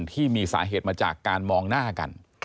ที่มีสาเหตุมาจากการมองหน้ากัน